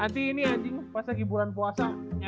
berarti ini anjing pas lagi bulan puasa